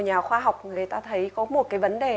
nhà khoa học người ta thấy có một cái vấn đề